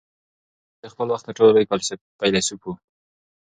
تولستوی د خپل وخت تر ټولو لوی فیلسوف هم و.